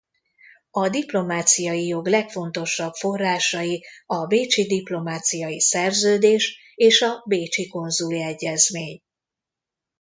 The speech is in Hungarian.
A diplomáciai jog legfontosabb forrásai a Bécsi Diplomáciai Szerződés és a Bécsi Konzuli Egyezmény.